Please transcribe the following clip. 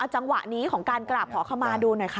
จังหวะนี้ของการกราบขอขมาดูหน่อยค่ะ